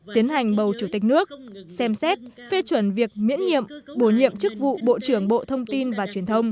tiến hành bầu chủ tịch nước xem xét phê chuẩn việc miễn nhiệm bổ nhiệm chức vụ bộ trưởng bộ thông tin và truyền thông